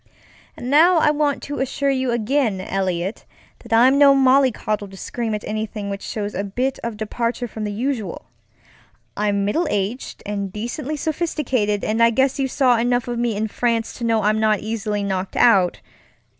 And now I want to assure you again, Eliot, that I'm no mollycoddle to scream at anything which shows a bit of departure from the usual. I'm middle aged and decently sophisticated, and I guess you saw enough of me in France to know I'm not easily knocked out.